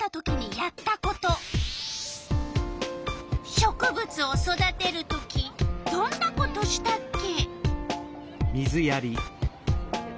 植物を育てる時どんなことしたっけ？